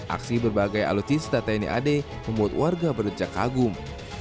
aksi berbagai alutsista tni ad membuat warga berdejak kagum